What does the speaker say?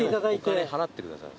お金払ってください。